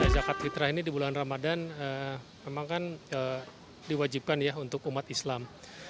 zakat fitrah ini di bulan ramadan memang kan diwajibkan ya untuk umat islam